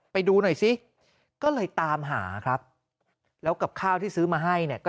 ไปดูหน่อยซิก็เลยตามหาครับแล้วกับข้าวที่ซื้อมาให้เนี่ยก็